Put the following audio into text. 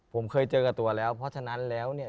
ผมเคยเจอกับตัวแล้วเพราะฉะนั้นแล้วเนี่ย